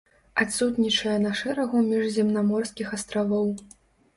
Адсутнічае на шэрагу міжземнаморскіх астравоў.